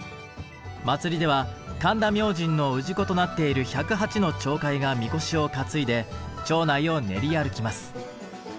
祭では神田明神の氏子となっている１０８の町会がみこしを担いで町内を練り歩きます。